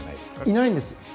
いないんです。